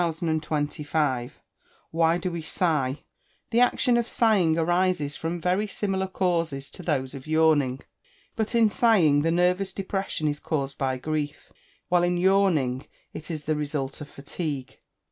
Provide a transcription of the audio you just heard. Why do we sigh? The action of sighing arises from very similar causes to those of yawning. But in sighing, the nervous depression is caused by grief; while in yawning, it is the result of fatigue.